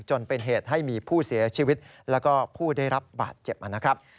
จนเป็นเหตุให้มีผู้เสียชีวิตแล้วก็ผู้ได้รับบาดเจ็บนะครับ